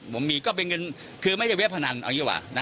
ผมมีก็เป็นเงินคือไม่ใช่เวียบพนัน